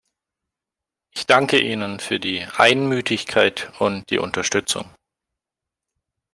Ich danke ihnen für die Einmütigkeit und die Unterstützung.